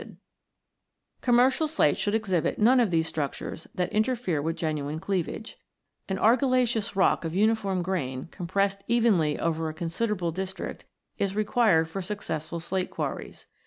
94 ROCKS AND THEIR ORIGINS [OH. Commercial slates should exhibit none of these structures that interfere with genuine cleavage. An argillaceous rock of uniform grain, compressed evenly over a considerable district, is required for successful slate quarries.